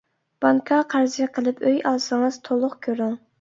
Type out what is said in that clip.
بانكا قەرزى قىلىپ ئۆي ئالسىڭىز تۇلۇق كۆرۈڭ!